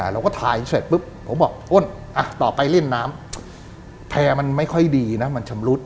เราก็ถ่ายเสร็จปุ๊บผมบอกอ้นต่อไปเล่นน้ำแพร่มันไม่ค่อยดีนะมันชำรุด